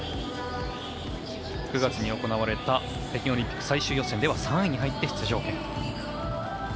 ９月に行われた北京オリンピック最終予選では３位に入って、出場権。